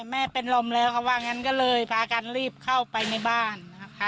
แม่เป็นลมแล้วเขาว่างั้นก็เลยพากันรีบเข้าไปในบ้านนะคะ